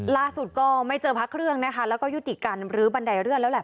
ก็ไม่เจอพระเครื่องนะคะแล้วก็ยุติการรื้อบันไดเลื่อนแล้วแหละ